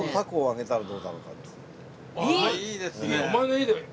あっいいですね。